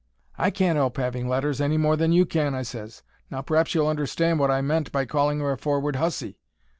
"I can't help 'aving letters any more than you can," I ses. "Now p'r'aps you'll understand wot I meant by calling 'er a forward hussy."